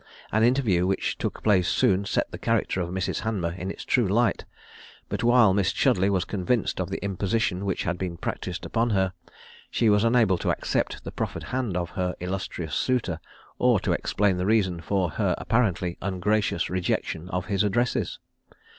An interview which took place soon set the character of Mrs. Hanmer in its true light; but while Miss Chudleigh was convinced of the imposition which had been practised upon her, she was unable to accept the proffered hand of her illustrious suitor, or to explain the reason for her apparently ungracious rejection of his addresses.